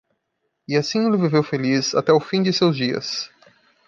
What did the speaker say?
E assim ele viveu feliz até o fim de seus dias.